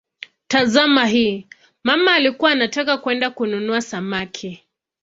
Tazama hii: "mama alikuwa anataka kwenda kununua samaki".